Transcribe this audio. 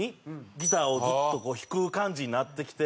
ギターをずっとこう弾く感じになってきて。